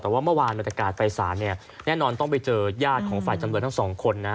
แต่ว่าเมื่อวานบรรยากาศไฟศาลเนี่ยแน่นอนต้องไปเจอญาติของฝ่ายจำเลยทั้งสองคนนะ